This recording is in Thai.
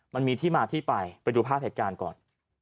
มันมีที่มาที่ไปไปดูภาพเหตุการณ์ก่อน